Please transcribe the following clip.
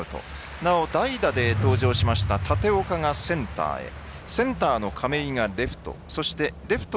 なお、代打で登場しました立岡がセンターへセンターの亀井がレフト。